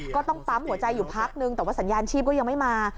ก็ต้องปั๊มหัวใจอยู่พักนึงแต่ว่าสัญญาณชีพก็ยังไม่มา